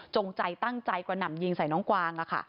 ใจตั้งใจกระหน่ำยิงใส่น้องกวาง